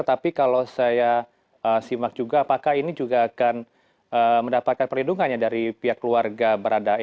tapi kalau saya simak juga apakah ini juga akan mendapatkan perlindungannya dari pihak keluarga baradae